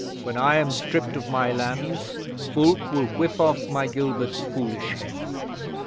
When I am stripped of my lands Fulke will whip off my Gilbert's foolish head.